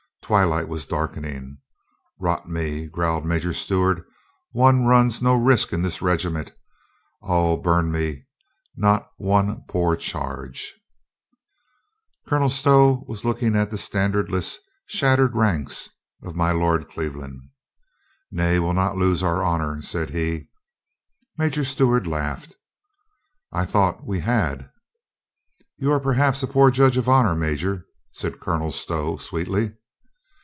Twilight was darkening. "Rot me!" growled Major Stewart, "one runs no risks in this regiment. Od burn me, not one poor charge !" Colonel Stow was looking at the standardless. 176 COLONEL GREATHEART shattered ranks of my Lord Cleveland. "Nay, we'll not lose our honor," said he. Major Stewart laughed. "J thought we had." "You are perhaps a poor judge of honor, Major," said Colonel Stow sweetly.